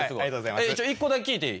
１個だけ聞いていい？